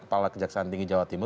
kepala kejaksaan tinggi jawa timur